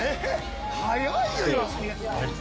「早いよ」